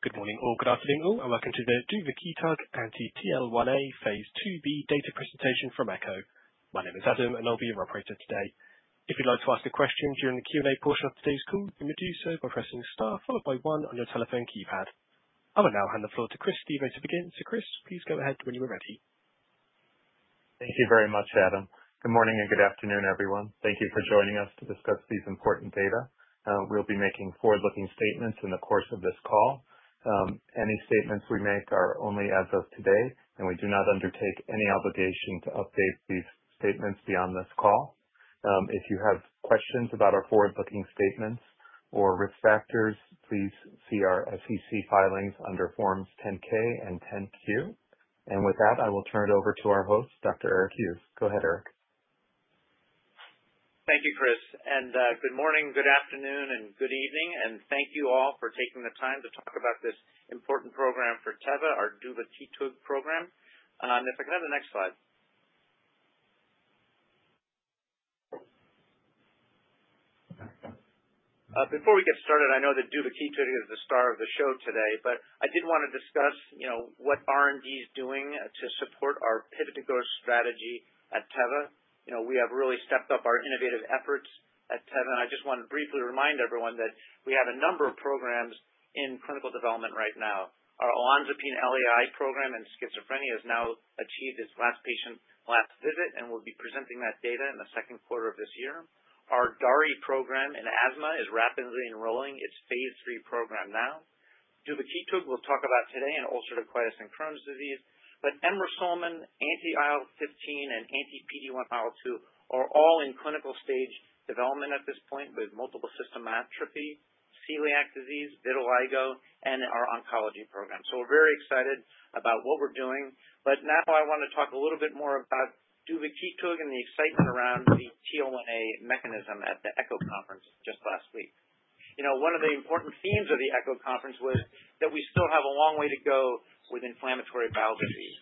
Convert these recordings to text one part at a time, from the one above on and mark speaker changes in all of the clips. Speaker 1: Good morning, all. Good afternoon, and welcome to the Duvakitug Anti-TL1A phase II-B data presentation from ECCO. My name is Adam, and I'll be your operator today. If you'd like to ask a question during the Q&A portion of today's call, you may do so by pressing star followed by one on your telephone keypad. I will now hand the floor to Chris Stevo to begin. So Chris, please go ahead when you are ready.
Speaker 2: Thank you very much, Adam. Good morning and good afternoon, everyone. Thank you for joining us to discuss these important data. We'll be making forward-looking statements in the course of this call. Any statements we make are only as of today, and we do not undertake any obligation to update these statements beyond this call. If you have questions about our forward-looking statements or risk factors, please see our SEC filings under Forms 10-K and 10-Q. And with that, I will turn it over to our host, Dr. Eric Hughes. Go ahead, Eric.
Speaker 3: Thank you, Chris. And good morning, good afternoon, and good evening. And thank you all for taking the time to talk about this important program for Teva, our Duvakitug program. And if I can have the next slide. Before we get started, I know that Duvakitug is the star of the show today, but I did want to discuss what R&D is doing to support our pivot to growth strategy at Teva. We have really stepped up our innovative efforts at Teva, and I just want to briefly remind everyone that we have a number of programs in clinical development right now. Our olanzapine LAI program in schizophrenia has now achieved its last-patient last visit and will be presenting that data in the second quarter of this year. Our DARI program in asthma is rapidly enrolling its phase III program now. Duvakitug will talk about today and ulcerative colitis and Crohn's disease, but [emrusolmin], anti-IL15, and anti-PD-1/IL-2 are all in clinical-stage development at this point with multiple system atrophy, celiac disease, vitiligo, and our oncology program, so we're very excited about what we're doing. But now I want to talk a little bit more about Duvakitug and the excitement around the TL1A mechanism at the ECCO Conference just last week. One of the important themes of the ECCO Conference was that we still have a long way to go with inflammatory bowel disease.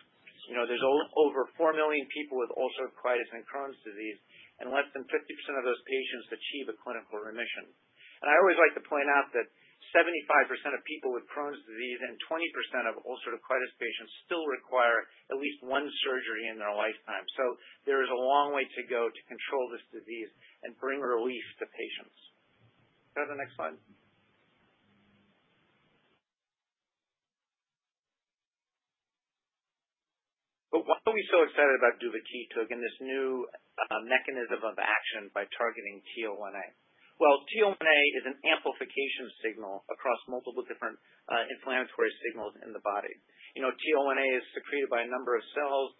Speaker 3: There's over four million people with ulcerative colitis and Crohn's disease, and less than 50% of those patients achieve a clinical remission. And I always like to point out that 75% of people with Crohn's disease and 20% of ulcerative colitis patients still require at least one surgery in their lifetime. So there is a long way to go to control this disease and bring relief to patients. Can I have the next slide? But why are we so excited about Duvakitug and this new mechanism of action by targeting TL1A? Well, TL1A is an amplification signal across multiple different inflammatory signals in the body. TL1A is secreted by a number of cells,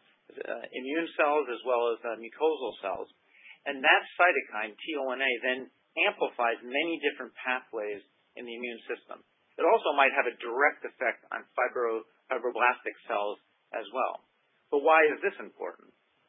Speaker 3: immune cells, as well as mucosal cells. And that cytokine, TL1A, then amplifies many different pathways in the immune system. It also might have a direct effect on fibroblastic cells as well. But why is this important?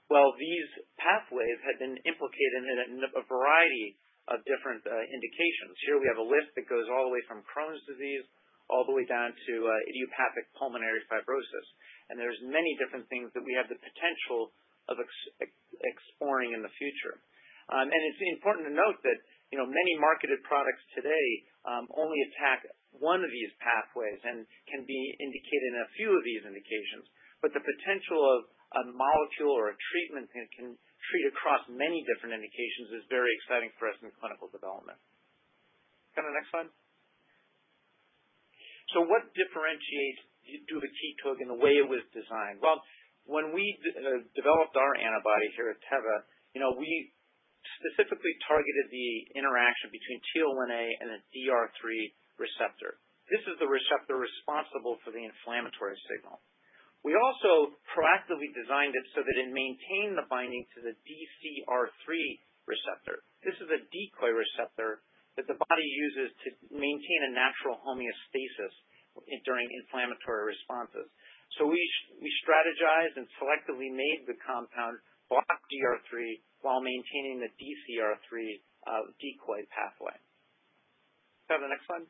Speaker 3: Well, these pathways have been implicated in a variety of different indications. Here we have a list that goes all the way from Crohn's disease all the way down to idiopathic pulmonary fibrosis. And there's many different things that we have the potential of exploring in the future. It's important to note that many marketed products today only attack one of these pathways and can be indicated in a few of these indications. The potential of a molecule or a treatment that can treat across many different indications is very exciting for us in clinical development. Can I have the next slide? What differentiates Duvakitug in the way it was designed? When we developed our antibody here at Teva, we specifically targeted the interaction between TL1A and a DR3 receptor. This is the receptor responsible for the inflammatory signal. We also proactively designed it so that it maintained the binding to the DcR3 receptor. This is a decoy receptor that the body uses to maintain a natural homeostasis during inflammatory responses. We strategized and selectively made the compound block DR3 while maintaining the DcR3 decoy pathway. Can I have the next slide?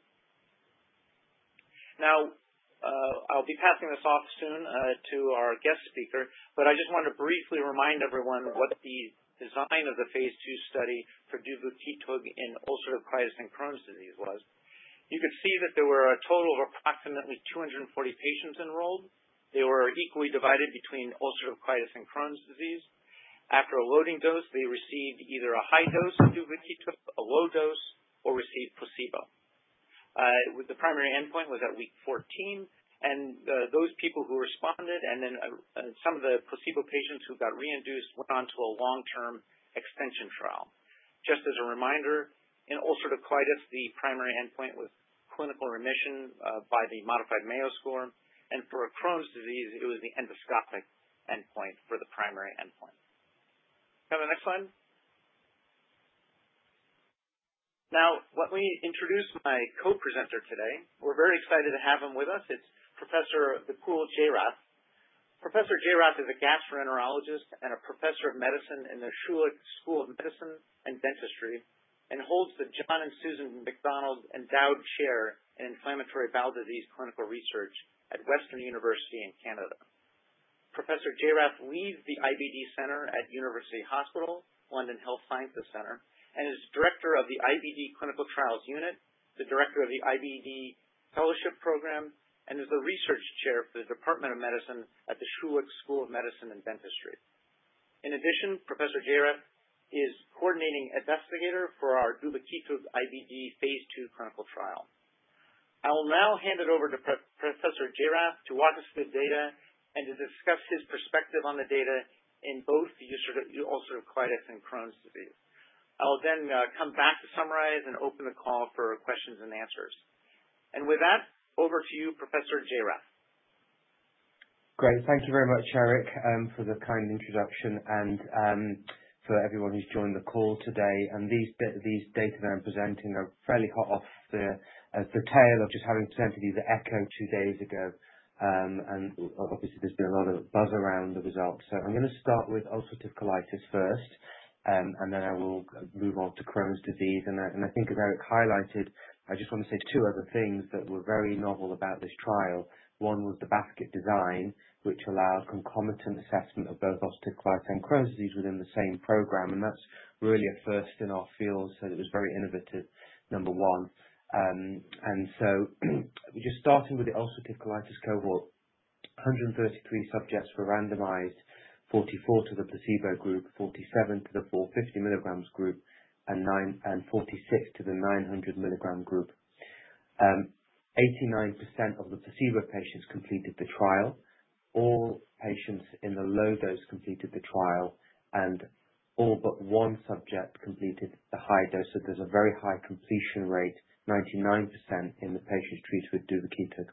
Speaker 3: Now, I'll be passing this off soon to our guest speaker, but I just want to briefly remind everyone what the design of the phase II study for Duvakitug in ulcerative colitis and Crohn's disease was. You could see that there were a total of approximately 240 patients enrolled. They were equally divided between ulcerative colitis and Crohn's disease. After a loading dose, they received either a high dose of Duvakitug, a low dose, or received placebo. The primary endpoint was at week 14. Those people who responded and then some of the placebo patients who got re-induced went on to a long-term extension trial. Just as a reminder, in ulcerative colitis, the primary endpoint was clinical remission by the Modified Mayo Score. For Crohn's disease, it was the endoscopic endpoint for the primary endpoint. Can I have the next slide? Now, let me introduce my co-presenter today. We're very excited to have him with us. It's Professor Vipul Jairath. Professor Jairath is a gastroenterologist and a Professor of Medicine in the Schulich School of Medicine & Dentistry and holds the John and Susan Macdonald Endowed Chair in Inflammatory Bowel Disease Clinical Research at Western University in Canada. Professor Jairath leads the IBD Centre at University Hospital, London Health Sciences Centre, and is Director of the IBD Clinical Trials Unit, the Director of the IBD Fellowship Program, and is the Research Chair for the Department of Medicine at the Schulich School of Medicine & Dentistry. In addition, Professor Jairath is Coordinating Investigator for our Duvakitug IBD phase II clinical trial. I will now hand it over to Professor Jairath to walk us through the data and to discuss his perspective on the data in both ulcerative colitis and Crohn's disease. I will then come back to summarize and open the call for questions and answers, and with that, over to you, Professor Jairath.
Speaker 4: Great. Thank you very much, Eric, for the kind introduction and for everyone who's joined the call today. And these data that I'm presenting are fairly hot off the tail of just having presented these at ECCO two days ago. And obviously, there's been a lot of buzz around the results. So I'm going to start with ulcerative colitis first, and then I will move on to Crohn's disease. And I think, as Eric highlighted, I just want to say two other things that were very novel about this trial. One was the basket design, which allowed concomitant assessment of both ulcerative colitis and Crohn's disease within the same program. And that's really a first in our field, so it was very innovative, number one. Just starting with the ulcerative colitis cohort, 133 subjects were randomized, 44 to the placebo group, 47 to the 450 mg group, and 46 to the 900 mg group. 89% of the placebo patients completed the trial. All patients in the low dose completed the trial, and all but one subject completed the high dose. There's a very high completion rate, 99% in the patients treated with Duvakitug.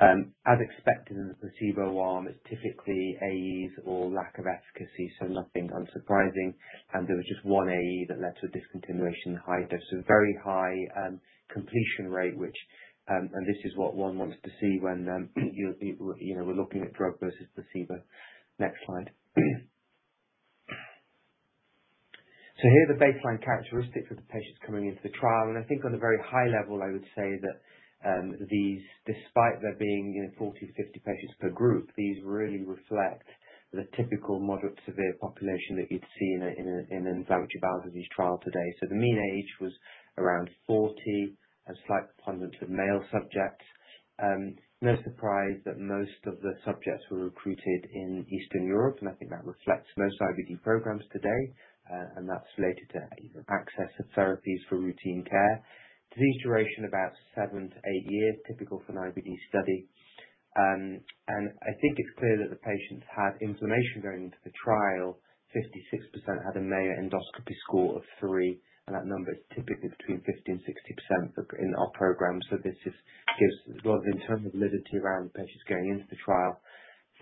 Speaker 4: As expected in the placebo arm, it's typically AEs or lack of efficacy, so nothing unsurprising. There was just one AE that led to a discontinuation in the high dose. Very high completion rate, which, and this is what one wants to see when we're looking at drug versus placebo. Next slide. Here are the baseline characteristics of the patients coming into the trial. I think on a very high level, I would say that these, despite there being 40-50 patients per group, these really reflect the typical moderate-to-severe population that you'd see in an inflammatory bowel disease trial today. So the mean age was around 40, a slight preponderance of male subjects. No surprise that most of the subjects were recruited in Eastern Europe, and I think that reflects most IBD programs today. And that's related to access of therapies for routine care. Disease duration about seven-eight years, typical for an IBD study. And I think it's clear that the patients had inflammation going into the trial. 56% had a Mayo Endoscopic Score of three, and that number is typically between 50%-60% in our program. So this gives a lot of internal validity around the patients going into the trial.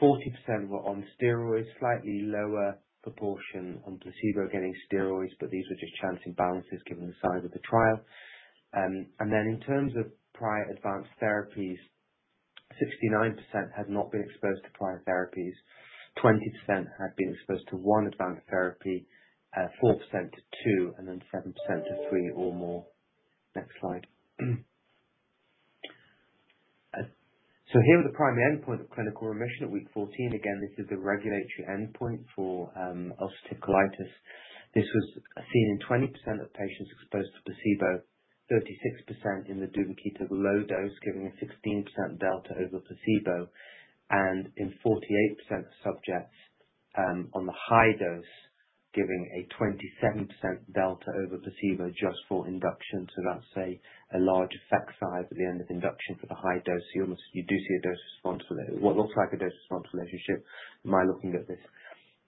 Speaker 4: 40% were on steroids, slightly lower proportion on placebo getting steroids, but these were just chance imbalances given the size of the trial, and then in terms of prior advanced therapies, 69% had not been exposed to prior therapies. 20% had been exposed to one advanced therapy, 4% to two, and then 7% to three or more. Next slide, so here are the primary endpoints of clinical remission at week 14. Again, this is the regulatory endpoint for ulcerative colitis. This was seen in 20% of patients exposed to placebo, 36% in the Duvakitug low dose giving a 16% delta over placebo, and in 48% of subjects on the high dose giving a 27% delta over placebo just for induction, so that's a large effect size at the end of induction for the high dose. You do see a dose-response, what looks like a dose-response relationship by looking at this.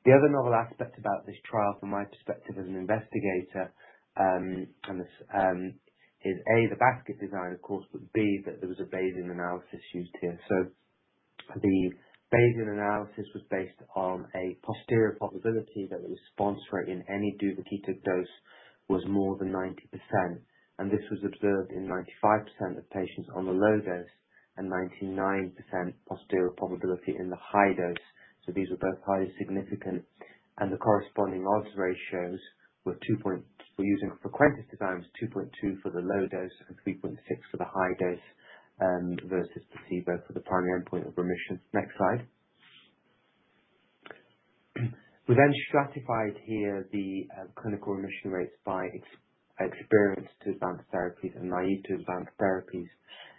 Speaker 4: The other novel aspect about this trial, from my perspective as an investigator, is A, the basket design, of course, but B, that there was a Bayesian analysis used here. The Bayesian analysis was based on a posterior probability that the response rate in any Duvakitug dose was more than 90%. And this was observed in 95% of patients on the low dose and 99% posterior probability in the high dose. These were both highly significant. And the corresponding odds ratios were 2.2. Using frequentist design was 2.2 for the low dose and 3.6 for the high dose versus placebo for the primary endpoint of remission. Next slide. We then stratified here the clinical remission rates by experience to advanced therapies and naive to advanced therapies.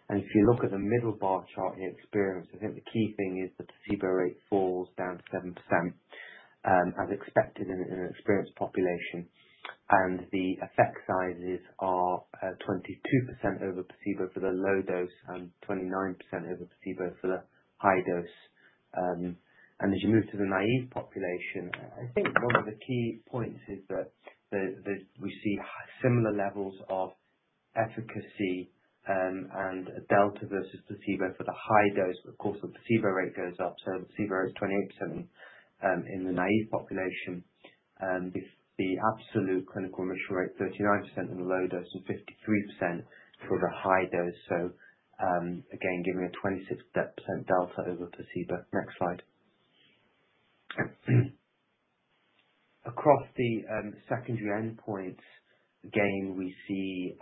Speaker 4: And if you look at the middle bar chart here, experience, I think the key thing is that the placebo rate falls down to 7%, as expected in an experienced population. And the effect sizes are 22% over placebo for the low dose and 29% over placebo for the high dose. And as you move to the naive population, I think one of the key points is that we see similar levels of efficacy and delta versus placebo for the high dose. But of course, the placebo rate goes up. So the placebo rate is 28% in the naive population. With the absolute clinical remission rate 39% in the low dose and 53% for the high dose. So again, giving a 26% delta over placebo. Next slide. Across the secondary endpoints, again, we see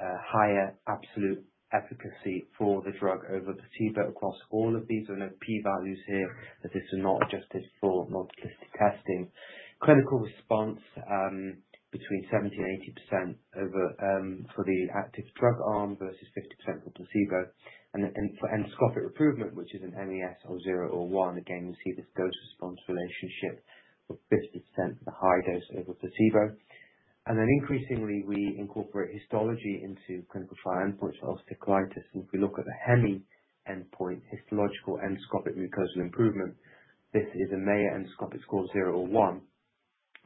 Speaker 4: higher absolute efficacy for the drug over placebo across all of these. There are no p-values here, as this is not adjusted for multiplicity testing. Clinical response between 70%-80% for the active drug arm versus 50% for placebo, and for endoscopic improvement, which is an MES of zero or one, again, you see this dose-response relationship of 50% for the high dose over placebo, and then increasingly, we incorporate histology into clinical trial endpoints for ulcerative colitis, and if we look at the HEMI endpoint, histological endoscopic mucosal improvement, this is a Mayo Endoscopic Score of zero or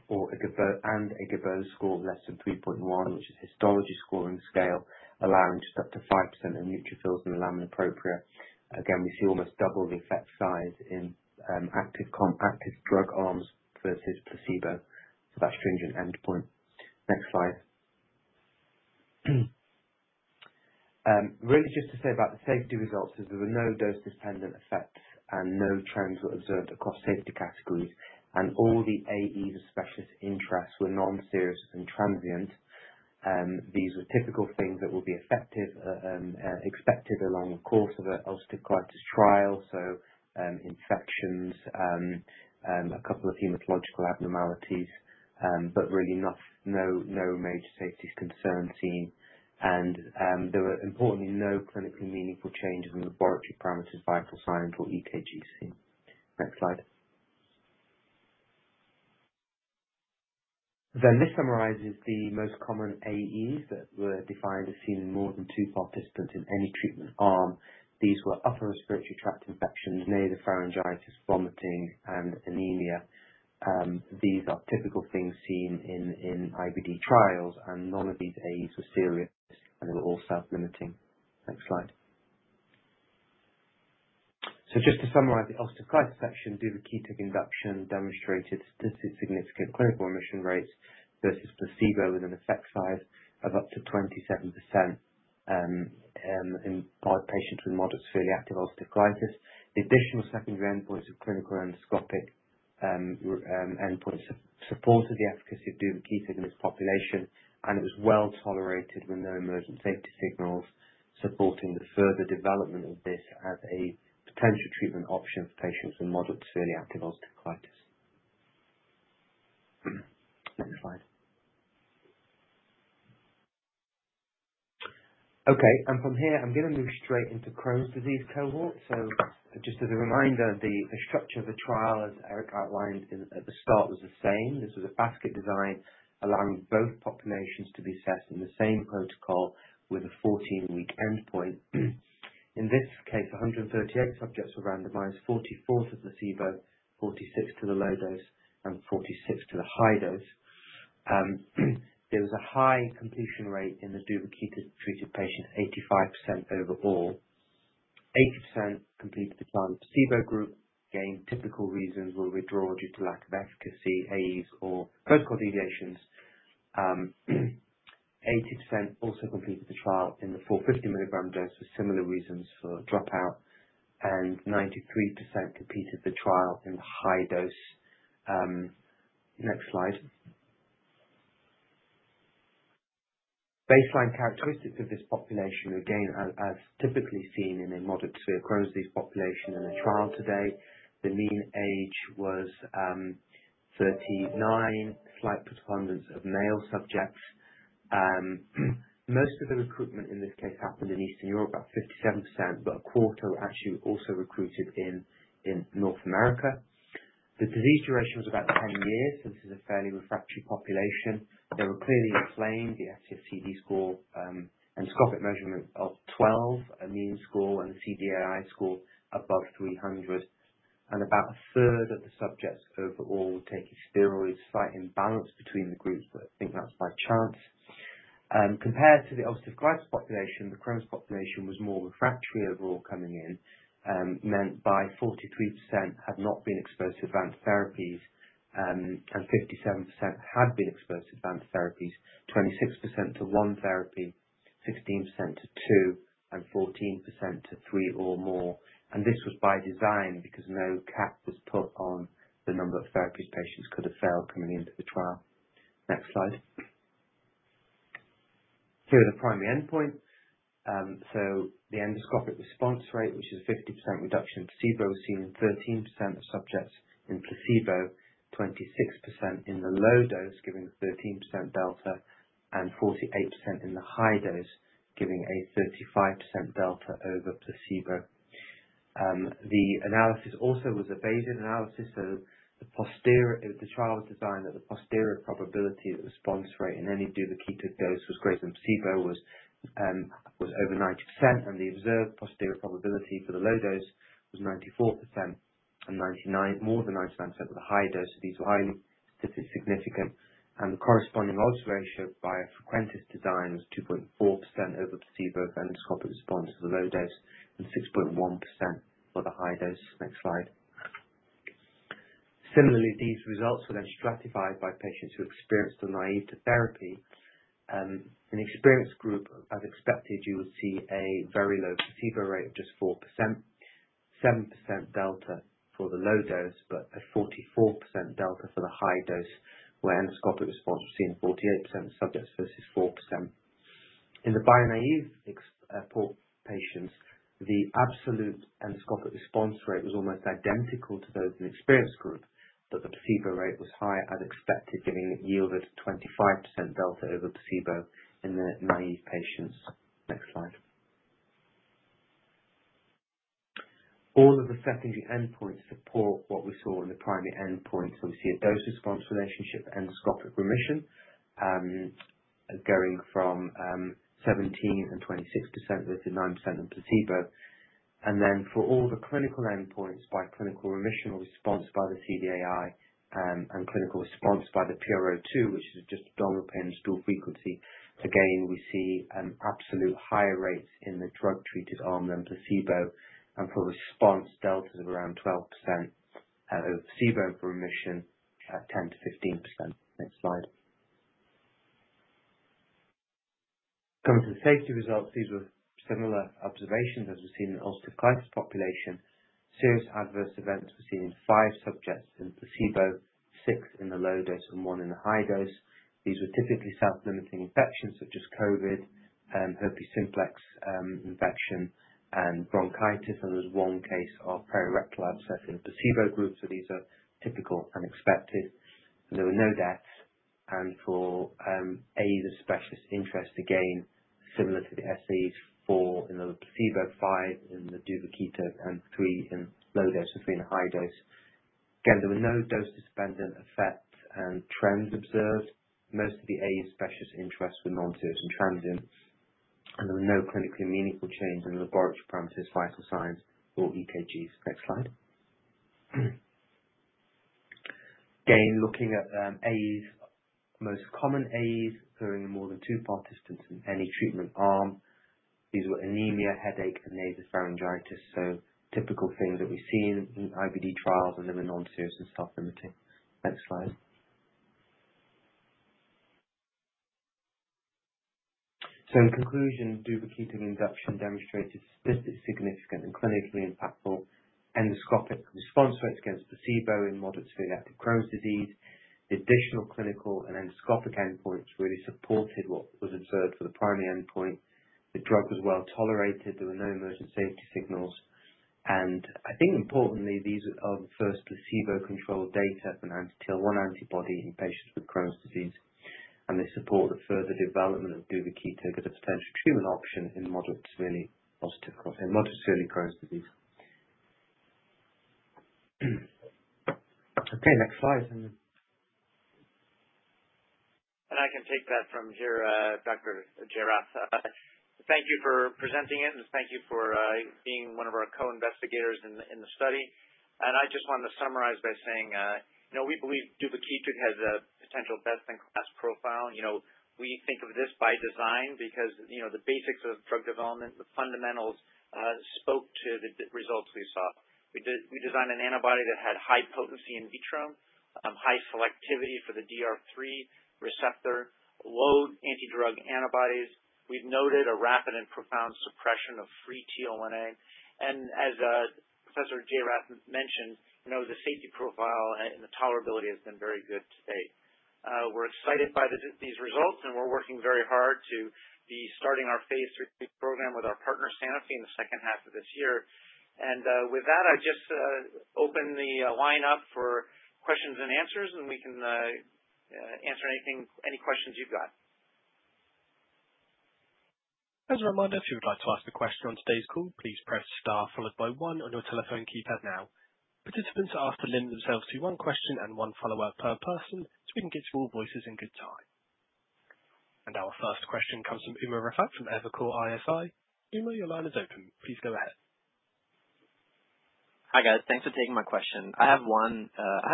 Speaker 4: one and a Geboes Score of less than 3.1, which is a histology scoring scale allowing just up to 5% of neutrophils in the lamina propria. Again, we see almost double the effect size in active drug arms versus placebo, so that's stringent endpoint. Next slide. Really, just to say about the safety results, there were no dose-dependent effects and no trends were observed across safety categories. And all the AEs of special interest were non-serious and transient. These were typical things that will be expected along the course of an ulcerative colitis trial, so infections, a couple of hematological abnormalities, but really no major safety concerns seen. And there were importantly no clinically meaningful changes in laboratory parameters, vital signs, or EKGs seen. Next slide. Then this summarizes the most common AEs that were defined as seen in more than two participants in any treatment arm. These were upper respiratory tract infections, nasopharyngitis, vomiting, and anemia. These are typical things seen in IBD trials, and none of these AEs were serious, and they were all self-limiting. Next slide. Just to summarize the ulcerative colitis section, Duvakitug induction demonstrated statistically significant clinical remission rates versus placebo with an effect size of up to 27% in patients with moderate-to-severely active ulcerative colitis. The additional secondary endpoints of clinical endoscopic endpoints supported the efficacy of Duvakitug in this population, and it was well tolerated with no emergent safety signals supporting the further development of this as a potential treatment option for patients with moderate-to-severely active ulcerative colitis. Next slide. Okay. From here, I'm going to move straight into Crohn's disease cohort. Just as a reminder, the structure of the trial, as Eric outlined at the start, was the same. This was a basket design allowing both populations to be assessed in the same protocol with a 14-week endpoint. In this case, 138 subjects were randomized, 44 to placebo, 46 to the low dose, and 46 to the high dose. There was a high completion rate in the Duvakitug treated patients, 85% overall. 80% completed the trial in the placebo group. Again, typical reasons were withdrawal due to lack of efficacy, AEs, or clinical deviations. 80% also completed the trial in the 450 mg dose for similar reasons for dropout, and 93% completed the trial in the high dose. Next slide. Baseline characteristics of this population, again, as typically seen in a moderate-to-severe Crohn's disease population in a trial today. The mean age was 39, slight preponderance of male subjects. Most of the recruitment in this case happened in Eastern Europe, about 57%, but a quarter were actually also recruited in North America. The disease duration was about 10 years, so this is a fairly refractory population. They were clearly inflamed. The SES-CD score endoscopic measurement of 12, a mean score, and the CDAI score above 300, and about a third of the subjects overall were taking steroids, slight imbalance between the groups, but I think that's by chance. Compared to the ulcerative colitis population, the Crohn's population was more refractory overall coming in, meant by 43% had not been exposed to advanced therapies, and 57% had been exposed to advanced therapies, 26% to one therapy, 16% to two, and 14% to three or more, and this was by design because no cap was put on the number of therapies patients could have failed coming into the trial. Next slide. Here are the primary endpoints. The endoscopic response rate, which is a 50% reduction in placebo, was seen in 13% of subjects in placebo, 26% in the low dose giving a 13% delta, and 48% in the high dose giving a 35% delta over placebo. The analysis also was a Bayesian analysis. The trial was designed that the posterior probability of the response rate in any Duvakitug dose was greater than placebo was over 90%. The observed posterior probability for the low dose was 94%, and more than 99% for the high dose. These were highly statistically significant. The corresponding odds ratio by a frequentist design was 2.4 over placebo for endoscopic response to the low dose, and 6.1 for the high dose. Next slide. Similarly, these results were then stratified by patients who were bio-naive to therapy. In the experienced group, as expected, you would see a very low placebo rate of just 4%, 7% delta for the low dose, but a 44% delta for the high dose, where endoscopic response was seen in 48% of subjects versus 4%. In the bio-naive patients, the absolute endoscopic response rate was almost identical to those in the experienced group, but the placebo rate was higher as expected, yielding 25% delta over placebo in the naive patients. Next slide. All of the secondary endpoints support what we saw in the primary endpoints. So we see a dose-response relationship for endoscopic remission, going from 17% and 26% versus 9% on placebo. Then for all the clinical endpoints by clinical remission or response by the CDAI and clinical response by the PRO2, which is just abdominal pain and stool frequency, again, we see absolute higher rates in the drug-treated arm than placebo. For response, deltas of around 12% over placebo and for remission, 10%-15%. Next slide. Coming to the safety results, these were similar observations as we've seen in the ulcerative colitis population. Serious adverse events were seen in five subjects in placebo, six in the low dose, and one in the high dose. These were typically self-limiting infections such as COVID, herpes simplex infection, and bronchitis. There was one case of perirectal abscess in the placebo group. So these are typical and expected. There were no deaths. And for AEs of specialist interest, again, similar to the SEs, four in the placebo, five in the Duvakitug, and three in low dose, and three in high dose. Again, there were no dose-dependent effects and trends observed. Most of the AEs of specialist interest were non-serious and transient. And there were no clinically meaningful changes in laboratory parameters, vital signs, or EKGs. Next slide. Again, looking at most common AEs occurring in more than two participants in any treatment arm, these were anemia, headache, and nasopharyngitis. So typical things that we've seen in IBD trials, and they were non-serious and self-limiting. Next slide. So in conclusion, Duvakitug induction demonstrated statistically significant and clinically impactful endoscopic response rates against placebo in moderate-to-severe active Crohn's disease. The additional clinical and endoscopic endpoints really supported what was observed for the primary endpoint. The drug was well tolerated. There were no emergent safety signals. And I think importantly, these are the first placebo-controlled data for one antibody in patients with Crohn's disease. And they support the further development of Duvakitug as a potential treatment option in moderate-to-severely Crohn's disease. Okay. Next slide.
Speaker 3: And I can take that from here, Dr. Jairath. Thank you for presenting it, and thank you for being one of our co-investigators in the study. And I just wanted to summarize by saying we believe Duvakitug has a potential best-in-class profile. We think of this by design because the basics of drug development, the fundamentals spoke to the results we saw. We designed an antibody that had high potency in vitro, high selectivity for the DR3 receptor, low anti-drug antibodies. We've noted a rapid and profound suppression of free TL1A. As Professor Jairath mentioned, the safety profile and the tolerability has been very good to date. We're excited by these results, and we're working very hard to be starting our phase III program with our partner, Sanofi, in the second half of this year. With that, I just open the line up for questions and answers, and we can answer any questions you've got.
Speaker 1: As a reminder, if you would like to ask a question on today's call, please press star followed by one on your telephone keypad now. Participants are asked to limit themselves to one question and one follow-up per person so we can get to all voices in good time. Our first question comes from Umer Raffat from Evercore ISI. Umer, your line is open. Please go ahead.
Speaker 5: Hi guys. Thanks for taking my question. I have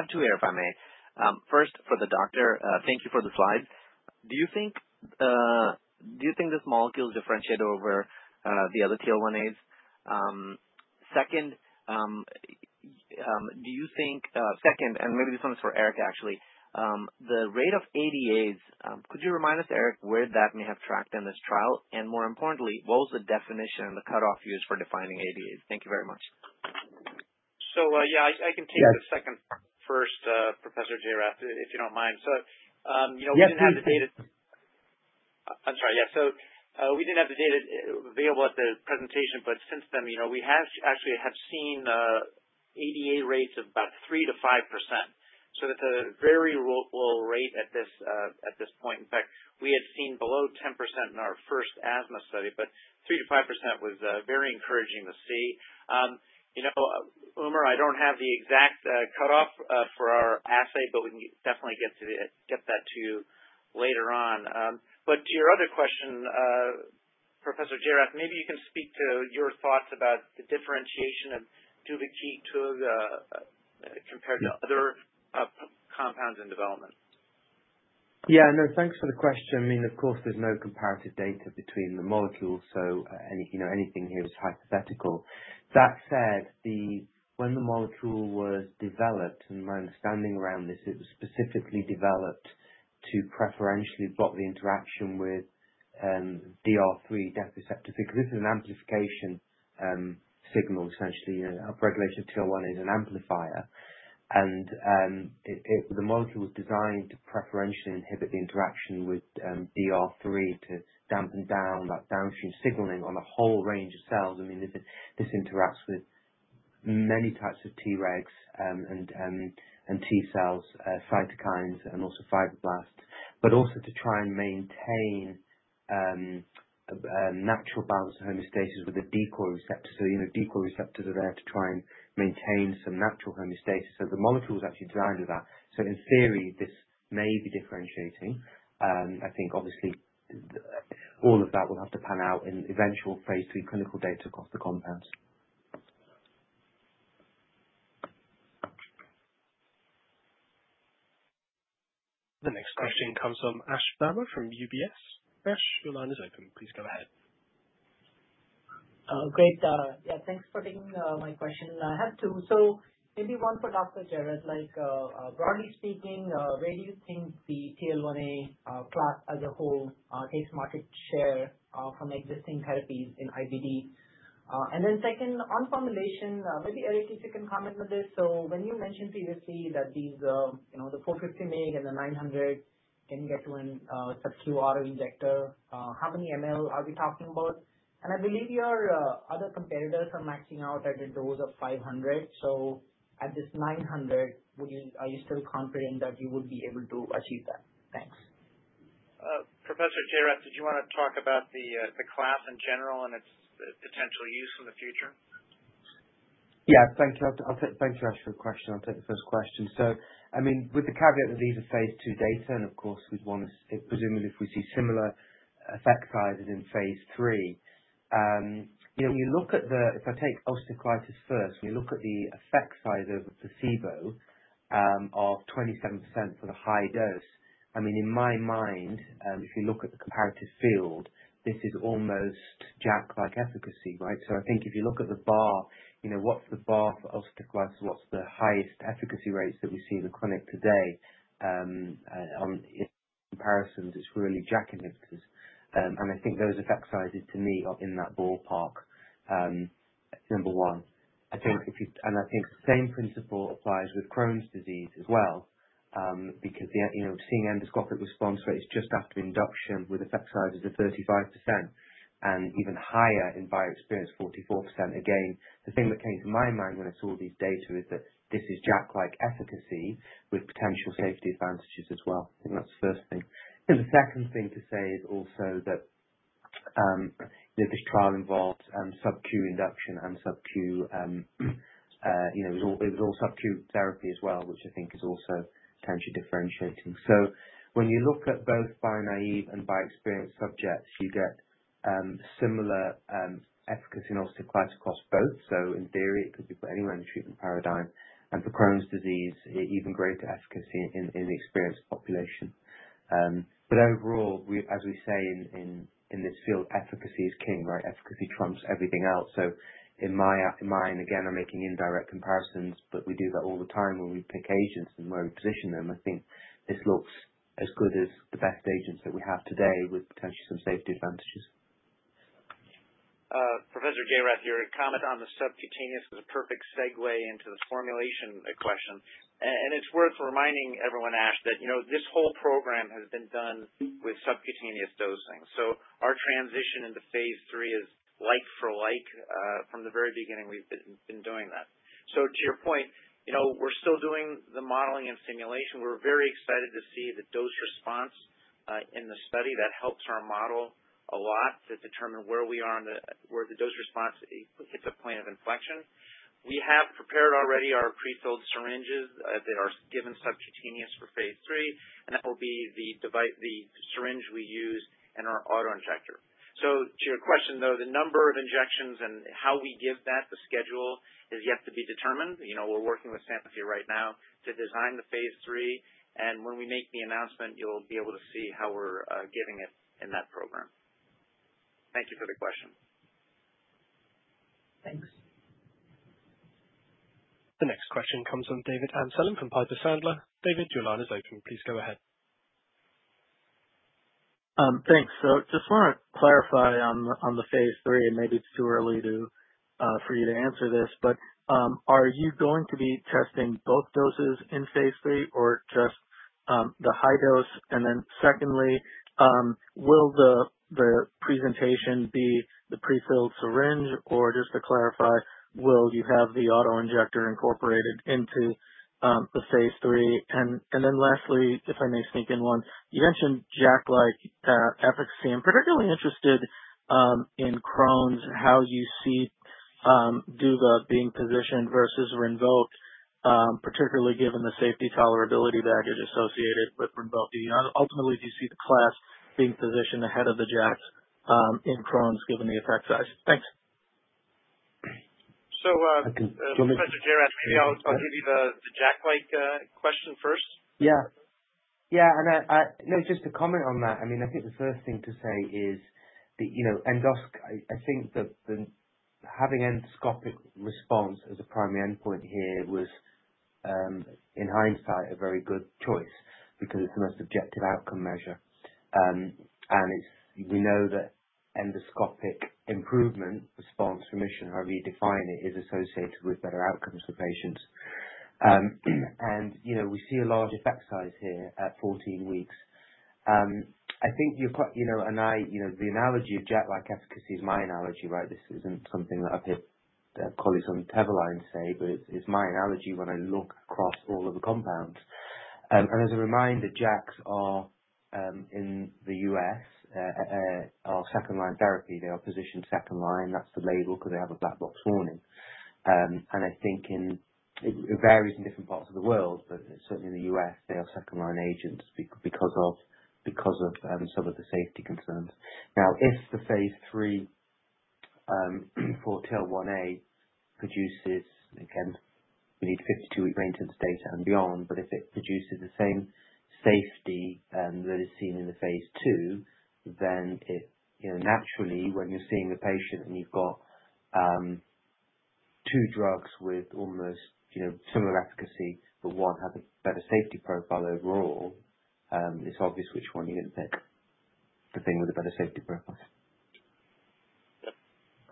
Speaker 5: two here, if I may. First, for the doctor, thank you for the slides. Do you think this molecule is differentiated over the other TL1As? Second, do you think—second, and maybe this one is for Eric, actually—the rate of ADAs, could you remind us, Eric, where that may have tracked in this trial? And more importantly, what was the definition and the cutoff used for defining ADAs? Thank you very much.
Speaker 3: So yeah, I can take the second first, Professor Jairath, if you don't mind. So we didn't have the data available at the presentation, but since then, we actually have seen ADA rates of about 3%-5%. So that's a very low rate at this point. In fact, we had seen below 10% in our first asthma study, but 3%-5% was very encouraging to see. Umer, I don't have the exact cutoff for our assay, but we can definitely get that to you later on, but to your other question, Professor Jairath, maybe you can speak to your thoughts about the differentiation of Duvakitug compared to other compounds in development.
Speaker 4: Yeah. No, thanks for the question. I mean, of course, there's no comparative data between the molecules, so anything here is hypothetical. That said, when the molecule was developed, and my understanding around this, it was specifically developed to preferentially block the interaction with DR3 receptor because this is an amplification signal, essentially. Upregulation TL1A is an amplifier. And the molecule was designed to preferentially inhibit the interaction with DR3 to dampen down about downstream signaling on a whole range of cells. I mean, this interacts with many types of T regs and T cells, cytokines, and also fibroblasts, but also to try and maintain natural balance of homeostasis with a DcR receptor. So DcR receptors are there to try and maintain some natural homeostasis. So the molecule was actually designed with that. So in theory, this may be differentiating. I think, obviously, all of that will have to pan out in eventual phase III clinical data across the compounds.
Speaker 1: The next question comes from Ash Verma from UBS. Ash, your line is open. Please go ahead.
Speaker 6: Great. Yeah. Thanks for taking my question. I have two. So maybe one for Dr. Jairath. Broadly speaking, where do you think the TL1A class as a whole takes market share from existing therapies in IBD? And then second, on formulation, maybe Eric, if you can comment on this. So when you mentioned previously that the 450 mg and the 900 can get to a subcutaneous injector, how many milliliters are we talking about? And I believe your other competitors are maxing out at a dose of 500. So at this 900, are you still confident that you would be able to achieve that? Thanks.
Speaker 3: Dr. Jairath, did you want to talk about the class in general and its potential use in the future?
Speaker 4: Yeah. Thank you. I'll take. Thank you, Ash, for your question. I'll take the first question. So I mean, with the caveat that these are phase II data, and of course, we'd want to presUmerbly, if we see similar effect sizes in phase III, when you look at the—if I take ulcerative colitis first, when you look at the effect size of placebo of 27% for the high dose, I mean, in my mind, if you look at the comparative field, this is almost JAK-like efficacy, right? So I think if you look at the bar, what's the bar for ulcerative colitis? What's the highest efficacy rates that we see in the clinic today? In comparisons, it's really JAK inhibitors. And I think the same principle applies with Crohn's disease as well because seeing endoscopic response rates just after induction with effect sizes of 35% and even higher in bio-experienced, 44%. Again, the thing that came to my mind when I saw these data is that this is JAK-like efficacy with potential safety advantages as well. I think that's the first thing, and the second thing to say is also that this trial involved sub-Q induction and sub-Q; it was all sub-Q therapy as well, which I think is also potentially differentiating, so when you look at both bio-naive and bio-experienced subjects, you get similar efficacy in ulcerative colitis across both, so in theory, it could be put anywhere in the treatment paradigm, and for Crohn's disease, even greater efficacy in the experienced population, but overall, as we say in this field, efficacy is king, right? Efficacy trumps everything else, so in my mind, again, I'm making indirect comparisons, but we do that all the time when we pick agents and where we position them. I think this looks as good as the best agents that we have today with potentially some safety advantages.
Speaker 3: Professor Jairath, your comment on the subcutaneous was a perfect segue into the formulation question. And it's worth reminding everyone, Ash, that this whole program has been done with subcutaneous dosing. So our transition into phase III is like for like. From the very beginning, we've been doing that. So to your point, we're still doing the modeling and simulation. We're very excited to see the dose response in the study. That helps our model a lot to determine where the dose response hits a point of inflection. We have prepared already our prefilled syringes that are given subcutaneous for phase III, and that will be the syringe we use and our autoinjector. To your question, though, the number of injections and how we give that, the schedule, is yet to be determined. We're working with Sanofi right now to design the phase III. And when we make the announcement, you'll be able to see how we're giving it in that program. Thank you for the question.
Speaker 6: Thanks.
Speaker 1: The next question comes from David Amsellem from Piper Sandler. David, your line is open. Please go ahead.
Speaker 7: Thanks. So I just want to clarify on the phase III, and maybe it's too early for you to answer this, but are you going to be testing both doses in phase III or just the high dose? And then secondly, will the presentation be the prefilled syringe? Or just to clarify, will you have the autoinjector incorporated into the phase III? And then lastly, if I may sneak in one, you mentioned JAK-like efficacy. I'm particularly interested in Crohn's, how you see Duvakitug being positioned versus RINVOQ, particularly given the safety tolerability baggage associated with RINVOQ. Ultimately, do you see the class being positioned ahead of the JAKs in Crohn's given the effect size? Thanks.
Speaker 3: Professor Jairath, maybe I'll give you the JAK-like question first.
Speaker 4: Yeah. Yeah. And just to comment on that, I mean, I think the first thing to say is that endoscopic, I think that having endoscopic response as a primary endpoint here was, in hindsight, a very good choice because it's the most objective outcome measure. And we know that endoscopic improvement, response, remission, however you define it, is associated with better outcomes for patients. And we see a large effect size here at 14-weeks. I think you're quite, and the analogy of JAK-like efficacy is my analogy, right? This isn't something that I've heard colleagues on Teva line say, but it's my analogy when I look across all of the compounds. As a reminder, JAKs are in the U.S. our second-line therapy. They are positioned second-line. That's the label because they have a black box warning. I think it varies in different parts of the world, but certainly in the U.S., they are second-line agents because of some of the safety concerns. Now, if the phase III for TL1A produces, again, we need 52-week maintenance data and beyond, but if it produces the same safety that is seen in the phase II, then naturally, when you're seeing a patient and you've got two drugs with almost similar efficacy, but one has a better safety profile overall, it's obvious which one you're going to pick, the thing with the better safety profile.
Speaker 3: Yep.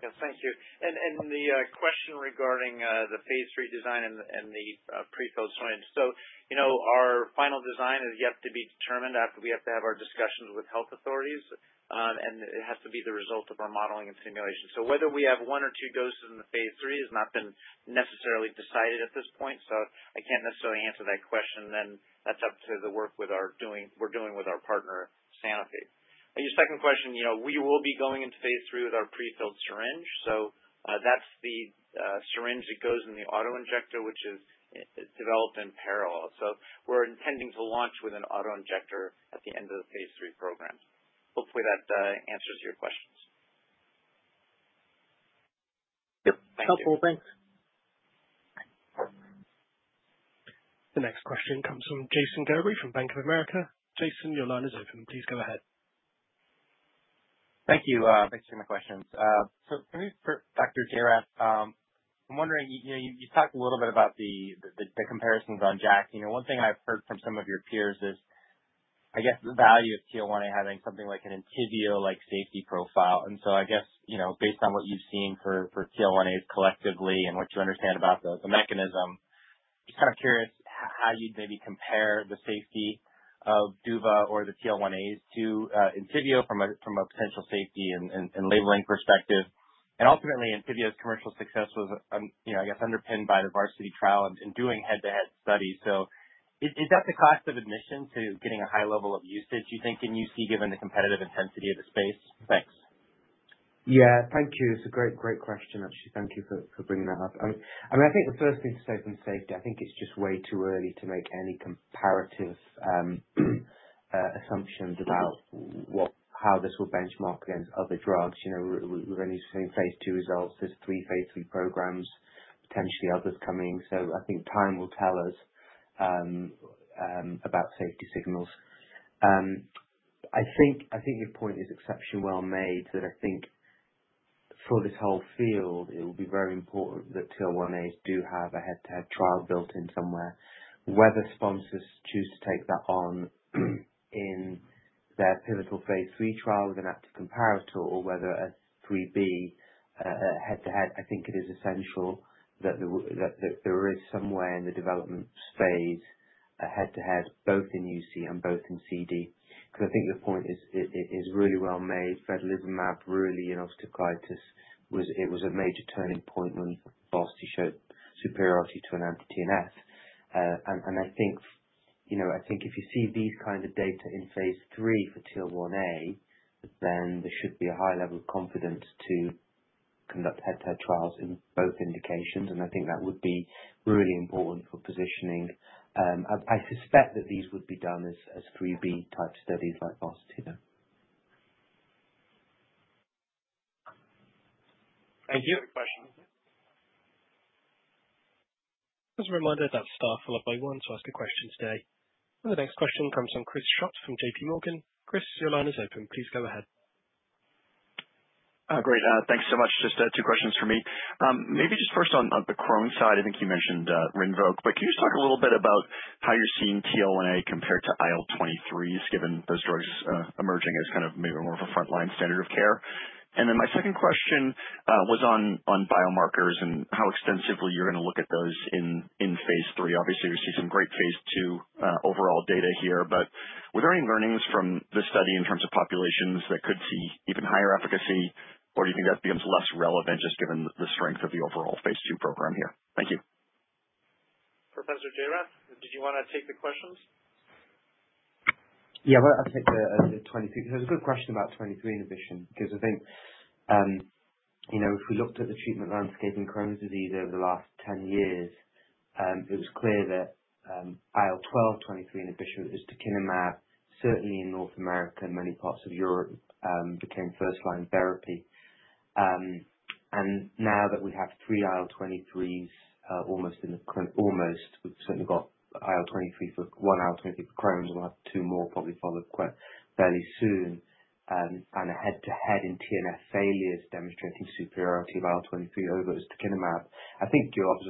Speaker 3: Thank you. And the question regarding the phase III design and the prefilled syringe, so our final design is yet to be determined after we have to have our discussions with health authorities, and it has to be the result of our modeling and simulation. So whether we have one or two doses in the phase III has not been necessarily decided at this point, so I can't necessarily answer that question. Then that's up to the work we're doing with our partner, Sanofi. Your second question, we will be going into phase III with our prefilled syringe. So that's the syringe that goes in the autoinjector, which is developed in parallel. So we're intending to launch with an autoinjector at the end of the phase III program. Hopefully, that answers your questions.
Speaker 7: Yep.
Speaker 3: Thank you.
Speaker 7: Helpful. Thanks.
Speaker 1: The next question comes from Jason Gerberry from Bank of America. Jason, your line is open. Please go ahead.
Speaker 8: Thank you. Thanks for my questions. So for me, for Dr. Jairath, I'm wondering, you talked a little bit about the comparisons on JAKs. One thing I've heard from some of your peers is, I guess, the value of TL1A having something like an ENTYVIO-like safety profile. And so I guess, based on what you've seen for TL1As collectively and what you understand about the mechanism, just kind of curious how you'd maybe compare the safety of Duvakitug or the TL1As to ENTYVIO from a potential safety and labeling perspective. And ultimately, ENTYVIO's commercial success was, I guess, underpinned by the VARSITY trial in doing head-to-head studies. So is that the cost of admission to getting a high level of usage, you think, in UC given the competitive intensity of the space? Thanks.
Speaker 4: Yeah. Thank you. It's a great, great question, actually. Thank you for bringing that up. I mean, I think the first thing to say from safety, I think it's just way too early to make any comparative assumptions about how this will benchmark against other drugs. We've only seen phase II results. There's three phase III programs, potentially others coming. So I think time will tell us about safety signals. I think your point is exceptionally well made that I think for this whole field, it will be very important that TL1As do have a head-to-head trial built in somewhere. Whether sponsors choose to take that on in their pivotal phase III trial with an active comparator or whether a III-B head-to-head, I think it is essential that there is somewhere in the development phase a head-to-head both in UC and both in CD because I think your point is really well made. Vedolizumab, really, in ulcerative colitis, it was a major turning point when VARSITY showed superiority to an anti-TNF. And I think if you see these kinds of data in phase III for TL1A, then there should be a high level of confidence to conduct head-to-head trials in both indications. And I think that would be really important for positioning. I suspect that these would be done as III-B-type studies like VARSITY.
Speaker 8: Thank you.
Speaker 1: As a reminder, that's star followed by one, to ask a question today. And the next question comes from Chris Schott from JP Morgan. Chris, your line is open. Please go ahead.
Speaker 9: Great. Thanks so much. Just two questions for me. Maybe just first on the Crohn's side, I think you mentioned RINVOQ, but can you just talk a little bit about how you're seeing TL1A compared to IL-23s given those drugs emerging as kind of maybe more of a frontline standard of care? And then my second question was on biomarkers and how extensively you're going to look at those in phase III. Obviously, we see some great phase II overall data here, but were there any learnings from this study in terms of populations that could see even higher efficacy, or do you think that becomes less relevant just given the strength of the overall phase II program here? Thank you.
Speaker 3: Professor Jairath, did you want to take the questions?
Speaker 4: Yeah. I'll take the IL-23. There's a good question about IL-23 inhibition because I think if we looked at the treatment landscape in Crohn's disease over the last 10 years, it was clear that IL-12/23 inhibition has become certainly in North America and many parts of Europe first-line therapy. Now that we have three IL-23s almost, we've certainly got one IL-23 for Crohn's, and we'll have two more probably followed quite fairly soon. And a head-to-head in TNF failures demonstrating superiority of IL-23 over ustekinumab. I think your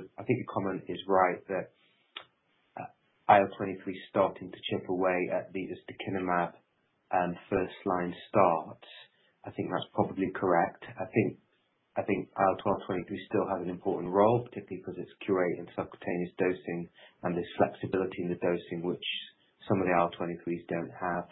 Speaker 4: comment is right that IL-23 is starting to chip away at the ustekinumab first-line starts. I think that's probably correct. I think IL-12/23 still have an important role, particularly because it's curated subcutaneous dosing and there's flexibility in the dosing, which some of the IL-23s don't have.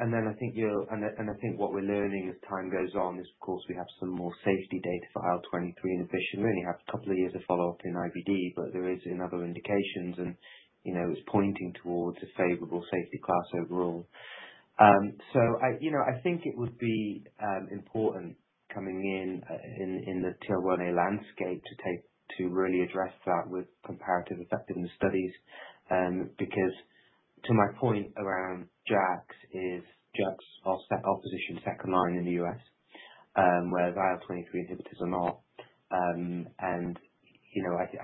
Speaker 4: And then I think you'll, and I think what we're learning as time goes on is, of course, we have some more safety data for IL-23 inhibition. We only have a couple of years of follow-up in IBD, but there is in other indications, and it's pointing towards a favorable safety class overall. So I think it would be important coming in in the TL1A landscape to really address that with comparative effectiveness studies because to my point around JAKs, JAKs are positioned second-line in the U.S., whereas IL-23 inhibitors are not. And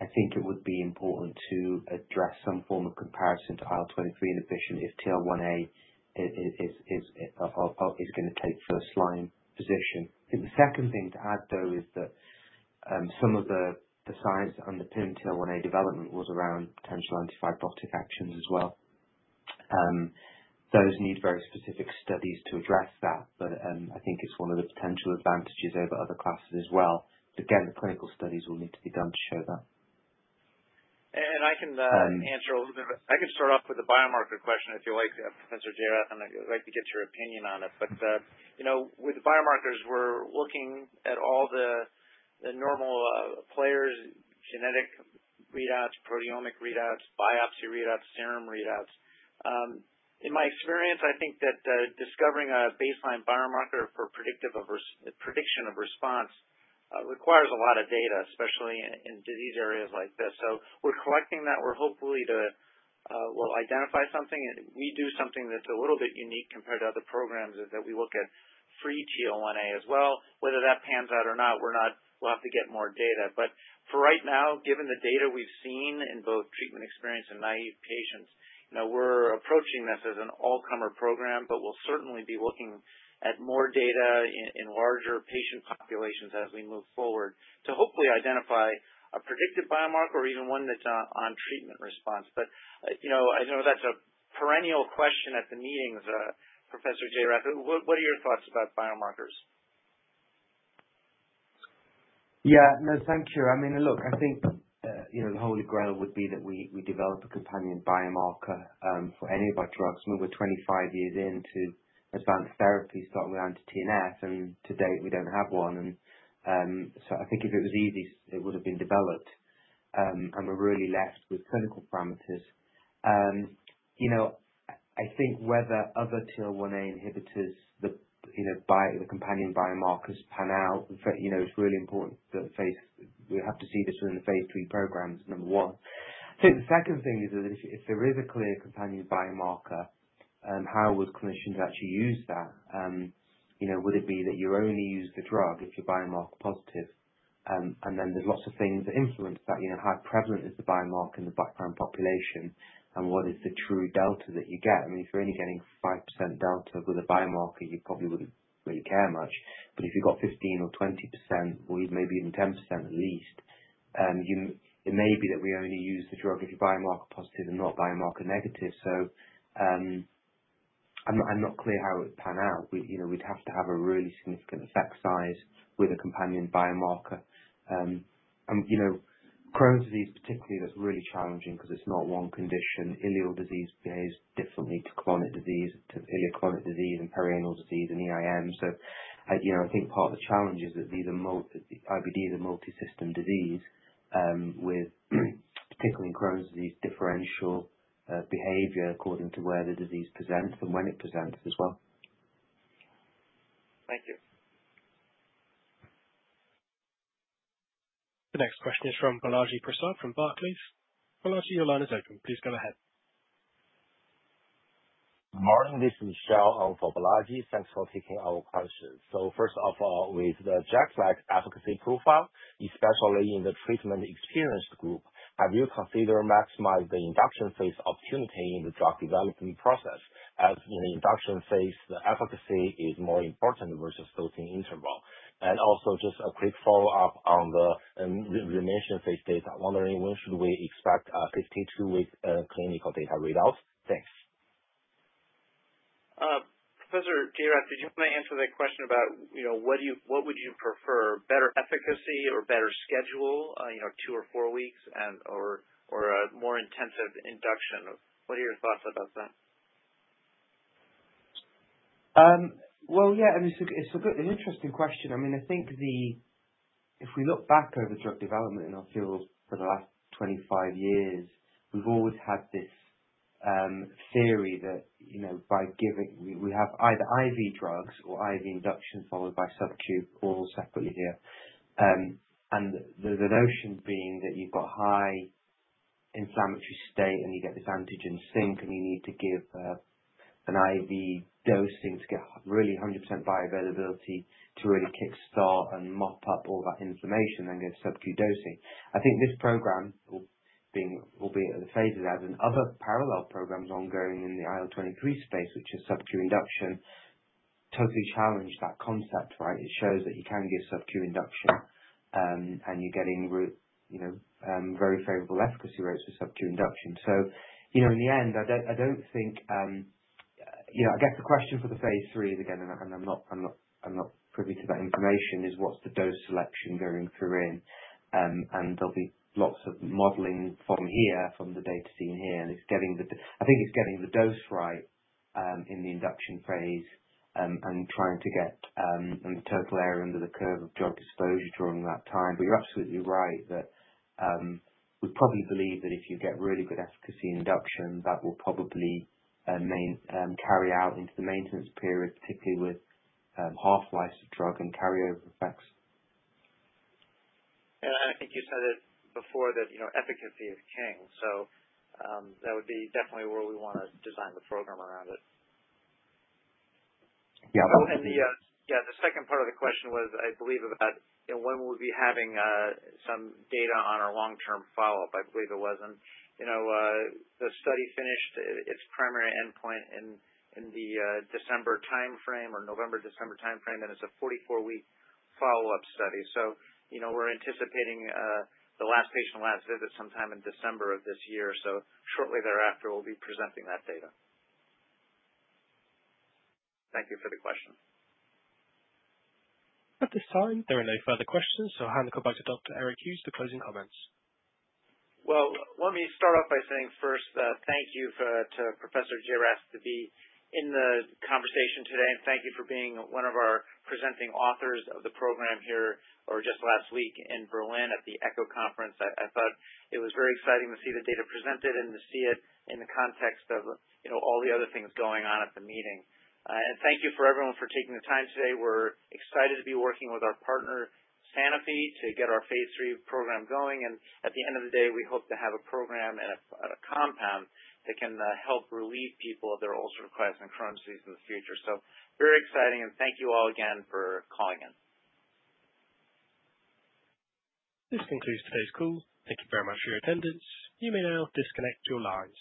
Speaker 4: I think it would be important to address some form of comparison to IL-23 inhibition if TL1A is going to take first-line position. The second thing to add, though, is that some of the science that underpinned TL1A development was around potential antifibrotic actions as well. Those need very specific studies to address that, but I think it's one of the potential advantages over other classes as well. Again, the clinical studies will need to be done to show that.
Speaker 3: And I can answer a little bit of it. I can start off with a biomarker question if you like, Professor Jairath, and I'd like to get your opinion on it, but with biomarkers, we're looking at all the normal players: genetic readouts, proteomic readouts, biopsy readouts, serum readouts. In my experience, I think that discovering a baseline biomarker for prediction of response requires a lot of data, especially in disease areas like this, so we're collecting that. We're hopefully to, well, identify something. We do something that's a little bit unique compared to other programs is that we look at free TL1A as well. Whether that pans out or not, we'll have to get more data. But for right now, given the data we've seen in both treatment-experienced and naive patients, we're approaching this as an all-comer program, but we'll certainly be looking at more data in larger patient populations as we move forward to hopefully identify a predictive biomarker or even one that's on treatment response. But I know that's a perennial question at the meetings, Professor Jairath. What are your thoughts about biomarkers?
Speaker 4: Yeah. No, thank you. I mean, look, I think the Holy Grail would be that we develop a companion biomarker for any of our drugs. We were 25 years into advanced therapy starting with anti-TNF, and to date, we don't have one. And so I think if it was easy, it would have been developed, and we're really left with clinical parameters. I think whether other TL1A inhibitors, the companion biomarkers, pan out, it's really important that we have to see this within the phase III programs, number one. I think the second thing is that if there is a clear companion biomarker, how would clinicians actually use that? Would it be that you only use the drug if you're biomarker positive? And then there's lots of things that influence that. How prevalent is the biomarker in the background population, and what is the true delta that you get? I mean, if you're only getting 5% delta with a biomarker, you probably wouldn't really care much. But if you've got 15% or 20%, or maybe even 10% at least, it may be that we only use the drug if you're biomarker positive and not biomarker negative. So I'm not clear how it would pan out. We'd have to have a really significant effect size with a companion biomarker, and Crohn's disease, particularly, that's really challenging because it's not one condition. Ileal disease behaves differently to colonic disease, to ileocolonic disease, and perianal disease, and EIM, so I think part of the challenge is that IBD is a multisystem disease with, particularly in Crohn's disease, differential behavior according to where the disease presents and when it presents as well.
Speaker 9: Thank you.
Speaker 1: The next question is from Balaji Prasad from Barclays. Balaji, your line is open. Please go ahead. Good morning. This is Michelle for Balaji. Thanks for taking our questions, so first of all, with the JAK-like efficacy profile, especially in the treatment experienced group, have you considered maximizing the induction phase opportunity in the drug development process as in the induction phase, the efficacy is more important versus dosing interval? Also just a quick follow-up on the remission phase data. Wondering when should we expect 52-week clinical data readouts? Thanks.
Speaker 3: Professor Jairath, did you want to answer that question about what would you prefer, better efficacy or better schedule, two or four weeks, or a more intensive induction? What are your thoughts about that?
Speaker 4: Well, yeah. I mean, it's an interesting question. I mean, I think if we look back over drug development in our field for the last 25 years, we've always had this theory that we have either IV drugs or IV induction followed by sub-Q. All separately here. And the notion being that you've got high inflammatory state and you get this antigen sink, and you need to give an IV dosing to get really 100% bioavailability to really kickstart and mop up all that inflammation and get sub-Q dosing. I think this program, albeit at the phase it has, and other parallel programs ongoing in the IL-23 space, which is sub-Q induction, totally challenge that concept, right? It shows that you can give sub-Q induction, and you're getting very favorable efficacy rates with sub-Q induction. So in the end, I don't think I guess the question for the phase III is again, and I'm not privy to that information, is what's the dose selection going through in? And there'll be lots of modeling from here, from the data seen here. And I think it's getting the dose right in the induction phase and trying to get the total area under the curve of drug exposure during that time. But you're absolutely right that we probably believe that if you get really good efficacy induction, that will probably carry out into the maintenance period, particularly with half-life of drug and carryover effects. And I think you said it before that efficacy is king. So that would be definitely where we want to design the program around it. Yeah.
Speaker 3: And the second part of the question was, I believe, about when we'll be having some data on our long-term follow-up. I believe it was. And the study finished its primary endpoint in the December timeframe or November-December timeframe, and it's a 44-week follow-up study. So we're anticipating the last patient, last visit sometime in December of this year. So shortly thereafter, we'll be presenting that data. Thank you for the question.
Speaker 1: At this time, there are no further questions. So I'll hand the call back to Dr. Eric Hughes for closing comments.
Speaker 3: Let me start off by saying first, thank you to Professor Jairath for being in the conversation today, and thank you for being one of our presenting authors of the program here just last week in Berlin at the ECCO conference. I thought it was very exciting to see the data presented and to see it in the context of all the other things going on at the meeting. Thank you for everyone for taking the time today. We're excited to be working with our partner, Sanofi, to get our phase III program going. At the end of the day, we hope to have a program and a compound that can help relieve people of their ulcerative colitis and Crohn's disease in the future. Very exciting, and thank you all again for calling in.
Speaker 1: This concludes today's call. Thank you very much for your attendance. You may now disconnect your lines.